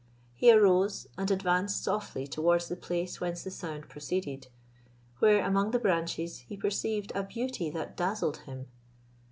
He arose, and advanced softly towards the place whence the sound proceeded, where, among the branches, he perceived a beauty that dazzled him.